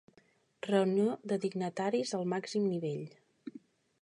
Reunió de dignataris al màxim nivell.